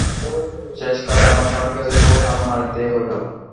শেষকালে আমার স্বামীর কাছে তো হার মানিতে হইল।